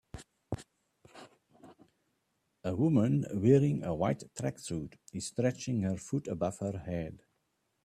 A woman wearing a white tracksuit is stretching her foot above her head.